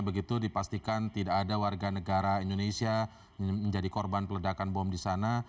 begitu dipastikan tidak ada warga negara indonesia menjadi korban peledakan bom di sana